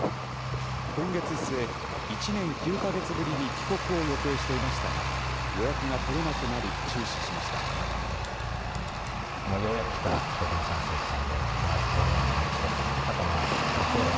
今月末、１年９か月ぶりに帰国を予定していましたが、予約が取れなくなり、中止しました。